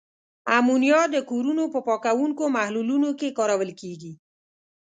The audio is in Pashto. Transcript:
امونیا د کورونو په پاکوونکو محلولونو کې کارول کیږي.